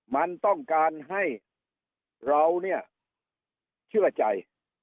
มันต้องการให้เราเนี่ยเชื่อใจ